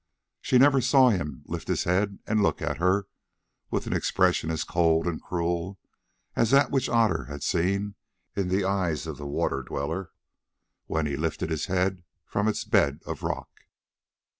She never saw him lift his head and look at her with an expression as cold and cruel as that which Otter had seen in the eyes of the Water Dweller, when he lifted his head from its bed of rock.